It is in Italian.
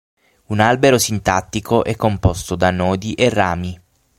Un albero sintattico è composto da nodi e rami.